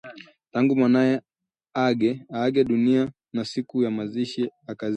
tangu mwanawe aage dunia na siku ya mazishi, akazirai